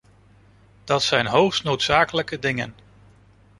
Dat zijn hoogst noodzakelijke dingen.